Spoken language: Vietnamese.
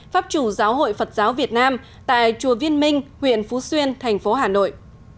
pháp chủ giáo hội phật giáo việt nam tại chùa viên minh huyện phú xuyên thành phố hà nội